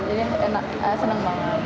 jadi senang banget